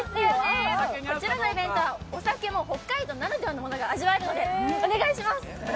こちらのイベントはお酒も北海道ならではのものが味わえるのでお願いします。